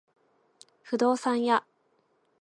不動産屋